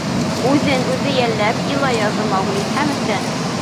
Үҙен үҙе йәлләп, илай яҙҙы Маугли һәм өҫтәне: